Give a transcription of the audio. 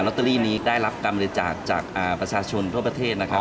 ตเตอรี่นี้ได้รับการบริจาคจากประชาชนทั่วประเทศนะครับ